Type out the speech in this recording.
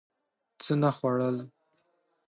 څه نه خوړل